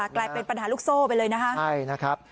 กลายเป็นปัญหาลูกโซ่ไปเลยนะคะใช่นะครับ